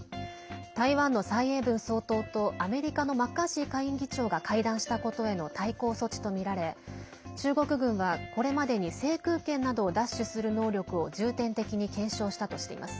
台湾の蔡英文総統とアメリカのマッカーシー下院議長が会談したことへの対抗措置とみられ中国軍はこれまでに制空権などを奪取する能力を重点的に検証したとしています。